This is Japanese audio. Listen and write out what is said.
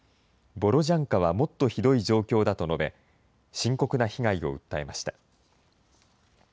ボロジャンカはもっとひどい状況だと述べ、深刻な被害を訴えました。